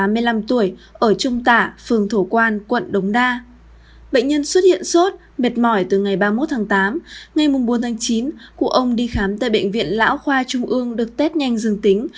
mệt mỏi từ ngày ba mươi một tháng tám ngay mùng bốn tháng chín cụ ông đi khám tại bệnh viện lão khoa trung ương được test nhanh dương tính